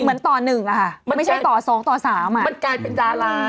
เหมือนต่อหนึ่งล่ะค่ะไม่ใช่ต่อสองต่อสามอ่ะมันกลายเป็นดารา